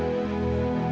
ya makasih ya